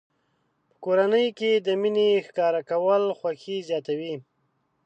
په کورنۍ کې د مینې ښکاره کول خوښي زیاتوي.